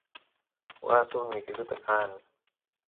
waa suk mikiluta qaan